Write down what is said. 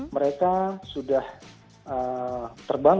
mereka sudah terbang